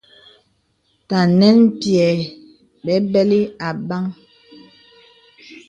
Tə̀ ànɛn m̀pyɛ̄t gbə̀gbə̀lə̀ àgbāŋ.